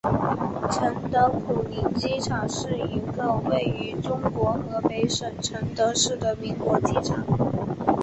承德普宁机场是一个位于中国河北省承德市的民用机场。